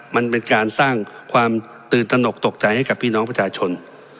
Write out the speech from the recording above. มันเป็นการสร้างความตื่นตนกตกใจให้กับพี่น้องประชาชน